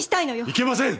いけません！